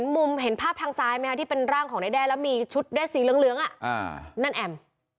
มุมเห็นภาพทางซ้ายไหมคะที่เป็นร่างของนายแด้แล้วมีชุดเรสสีเหลืองนั่นแอม